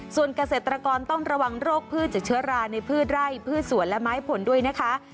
ส่วนเกษตรกรต้องระวังโรคพืชจากเชื้อราในพืชไร่พืชสวนและไม้ผลด้วยนะคะ